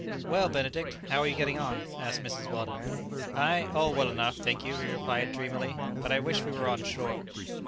"Well, Benedict, how are you getting on?" asked Mrs Weldon. "I? Oh, well enough, thank you," he replied dreamily; "but I wish we were on shore."